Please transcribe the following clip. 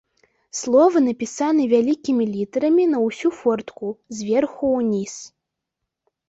Словы напісаны вялікімі літарамі, на ўсю фортку, зверху ўніз.